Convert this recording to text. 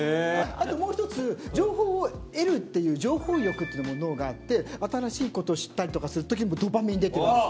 あともう１つ情報を得るっていう情報欲っていうのも脳があって新しいこと知ったりとかするときもドーパミン出てるんです。